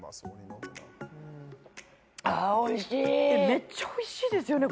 めっちゃおいしいですよね